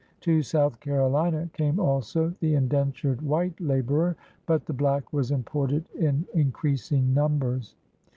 To South Carolina came also the indentured white laborer, but the black was imported in increasing numbers.